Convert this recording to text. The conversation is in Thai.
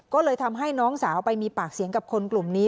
ก็เลยทำให้น้องสาวไปมีปากเสียงกับคนกลุ่มนี้